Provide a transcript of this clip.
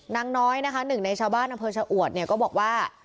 นางน้อยนะคะหนึ่งในชาวบ้านอำเภอชะอวดเนี่ยก็บอกว่า